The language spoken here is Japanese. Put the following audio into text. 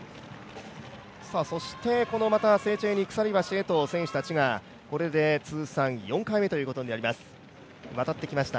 そして、またセーチェーニ鎖橋へと選手たちがこれで通算４回目ということになります、渡ってきました。